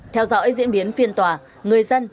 theo dõi diễn biến phiên tòa người dân